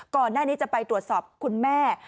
ก่อนหน้านี้จะไปตรวจสอบคุณแม่